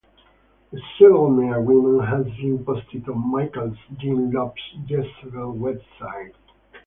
The settlement agreement has been posted on Michael's Gene Loves Jezebel website.